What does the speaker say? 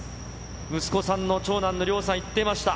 息子さんの、長男の凌央さん言ってました。